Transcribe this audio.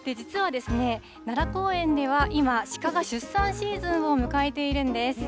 実は、奈良公園では今、鹿が出産シーズンを迎えているんです。